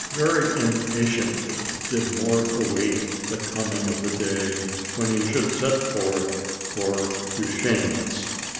Very impatiently did Mort await the coming of the day when he should set forth for Deschenes.